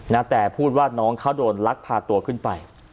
นะแต่พูดว่าน้องเขาโดนลักพาตัวขึ้นไป